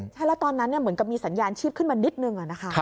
ใช่แล้วตอนนั้นเหมือนกับมีสัญญาณชีพขึ้นมานิดนึงนะคะ